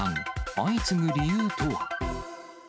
相次ぐ理由とは？